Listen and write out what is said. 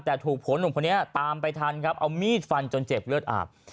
แต่ถูกผัวหนุ่มคนนี้ตามไปทันครับเอามีดฟันจนเจ็บเลือดอาบ